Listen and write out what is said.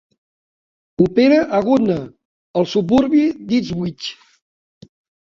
Opera a Goodna, el suburbi d'Ipswich.